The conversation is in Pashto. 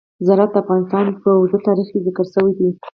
زراعت د افغانستان په اوږده تاریخ کې ذکر شوی دی.